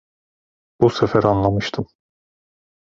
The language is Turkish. Bu sefer anlamıştım.